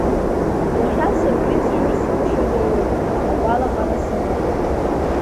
Иахьа саргьы изжәыр сылшоит аҩы, агәалаҟара сымоуп!